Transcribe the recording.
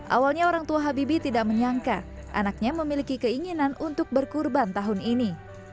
awalnya orang tua habibie tidak menyangka anaknya memiliki keinginan untuk berkurban tahun ini